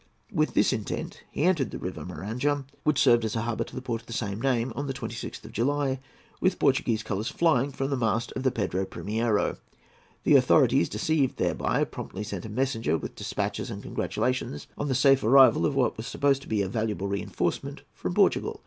With this intent, he entered the River Maranham, which served as a harbour to the port of the same name, on the 26th of July, with Portuguese colours flying from the mast of the Pedro Primiero. The authorities, deceived thereby, promptly sent a messenger with despatches and congratulations on the safe arrival of what was supposed to be a valuable reinforcement from Portugal.